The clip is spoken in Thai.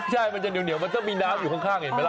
ใช่มันจะเหนียวมันต้องมีน้ำอยู่ข้างเห็นไหมล่ะ